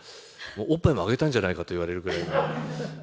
おっぱいもあげたんじゃないかといわれるぐらいに。